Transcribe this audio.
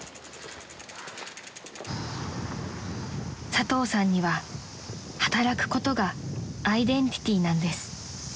［佐藤さんには働くことがアイデンティティーなんです］